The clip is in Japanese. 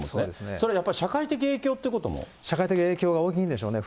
それはやっぱり社会的影響という社会的影響が大きいんでしょうね。